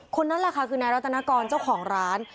คนนั้นแหละค่ะคือนายรัตนากรเจ้าของร้าน